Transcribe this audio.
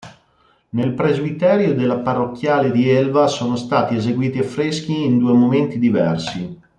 Nel presbiterio della parrocchiale di Elva sono stati eseguiti affreschi in due momenti diversi.